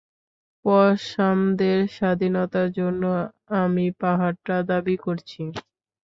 পসামদের স্বাধীনতার জন্য আমি পাহাড়টা দাবি করছি।